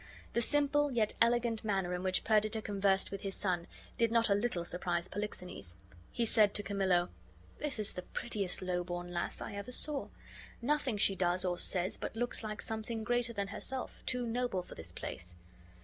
The simple yet elegant manner in which Perdita conversed with his son did not a little surprise Polixenes. He said to Camillo: "This is the prettiest low born lass I ever saw; nothing she does or says but looks like something greater than herself, too noble for this place."